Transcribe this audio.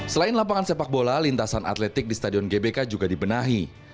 selain lapangan sepak bola lintasan atletik di stadion gbk juga dibenahi